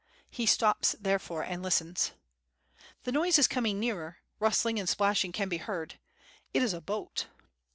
He stops therefore and listens. The noise is coming nearer, rustling and splashing can be heard; it is a boat.